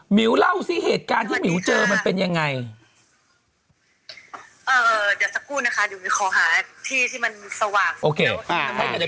หมิ๋วเล่าซิเหตุการณ์ที่หมิ๋วเจอมันเป็นอย่างไรเออเดี๋ยวสักครู่นะคะ